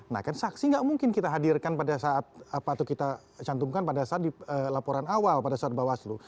nah kan saksi nggak mungkin kita hadirkan pada saat apa atau kita cantumkan pada saat di laporan awal pada saat bawaslu